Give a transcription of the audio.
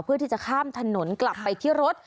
เพื่อที่จะข้ามถนนกลับไปที่รถ